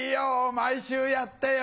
毎週やってよ。